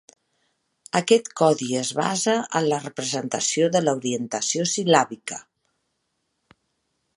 Aquest codi es basa en la representació de l'orientació sil·làbica.